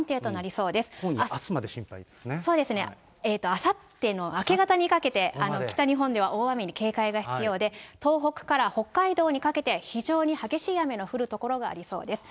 そうですね、あさっての明け方にかけて、北日本では大雨に警戒が必要で、東北から北海道にかけて、非常に激しい雨の降る所がありそうです。